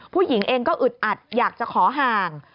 ผู้หญิงเองก็อึดอัดอยากจะขอห่าง